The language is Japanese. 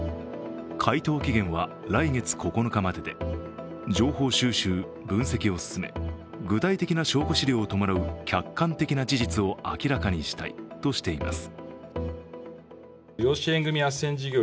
回答期限は来月９日までで情報収集、分析を進め具体的な証拠資料を伴う客観的な事実を明らかにしたいとしています。